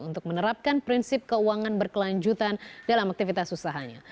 untuk menerapkan prinsip keuangan berkelanjutan dalam aktivitas usahanya